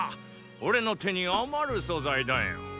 俺の手に余る素材だよ。